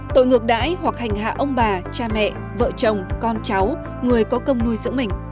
tội ngược đãi hoặc hành hạ ông bà cha mẹ vợ chồng con cháu người có công nuôi dưỡng mình